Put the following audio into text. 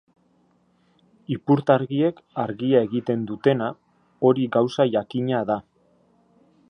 Ipurtargiek argia egiten dutena, hori gauza jakina da.